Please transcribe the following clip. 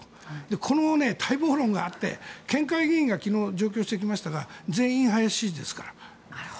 この待望論があって県会議員が昨日、上京してきましたが全員林支持ですから。